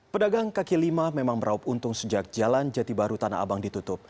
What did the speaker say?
pedagang kaki lima memang meraup untung sejak jalan jati baru tanah abang ditutup